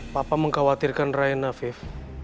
papa mengkhawatirkan ryan hafif